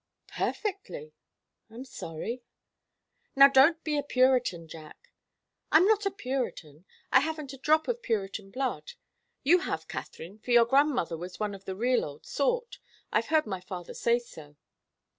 "Perfectly. I'm sorry." "Now don't be a Puritan, Jack " "I'm not a Puritan. I haven't a drop of Puritan blood. You have, Katharine, for your grandmother was one of the real old sort. I've heard my father say so."